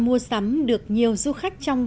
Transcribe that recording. mua sắm được nhiều du khách trong